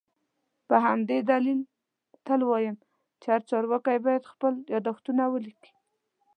په همدې دلیل تل وایم چي هر چارواکی باید خپل یادښتونه ولیکي